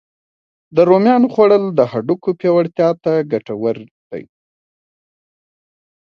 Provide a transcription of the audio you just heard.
د رومیانو خوړل د هډوکو پیاوړتیا ته ګتور دی